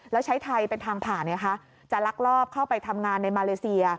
แล้วใช้ไทยเป็นทางผ่านจะลักลอบเข้าไปทำงานในมาเลเซีย